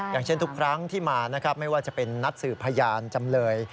อย่างเช่นทุกครั้งที่มานะครับไม่ว่าจะเป็นนัดสืบพยานจำเลย